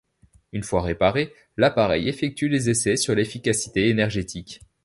Une fois réparé, l'appareil effectue les essais sur l'efficacité énergétique.